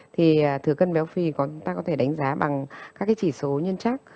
thì thừa cân béo phì chúng ta có thể đánh giá bằng các cái chỉ số nhân chắc